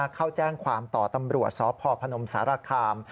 เข้าแจ้งความต่อตำรวจสพพนมสารคาม